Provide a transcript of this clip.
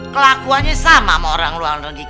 kelakuannya sama sama orang luar negeri